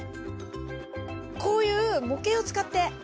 こういう模型を使って。